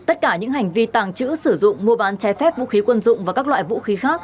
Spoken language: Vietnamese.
tất cả những hành vi tàng trữ sử dụng mua bán trái phép vũ khí quân dụng và các loại vũ khí khác